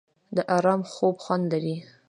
د ارام خوب خوند لري.